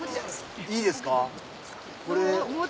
いいですか。